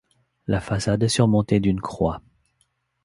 La façade est surmontée d'une croix.